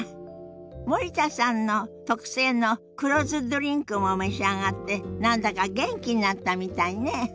森田さんの特製の黒酢ドリンクも召し上がって何だか元気になったみたいね。